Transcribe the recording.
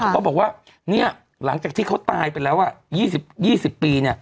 เขาบอกว่าเนี่ยหลังจากที่เขาตายไปแล้วอ่ะ๒๐ปีเนี่ย